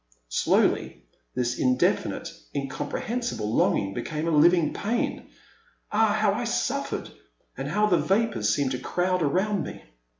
Slowly this indefinite, incomprehensible longing became a living pain. Ah, how I suffered !— and how the vapours seemed to crowd around me.